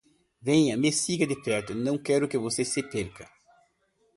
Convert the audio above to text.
Venha, me siga de perto, não quero que você se perca.